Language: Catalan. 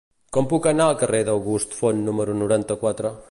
Com puc anar al carrer d'August Font número noranta-quatre?